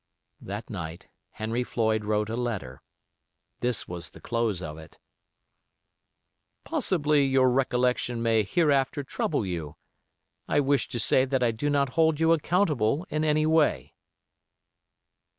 That night Henry Floyd wrote a letter. This was the close of it: "Possibly your recollection may hereafter trouble you. I wish to say that I do not hold you accountable in any way."